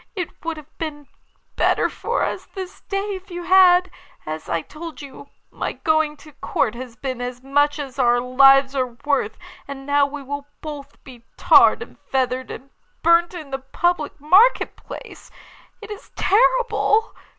It would have been better for us this day if you had. As I told you, my going to Court has been as much as our lives are worth, and now we will both be tarred and feathered, and burnt in the public market place. It is terrible!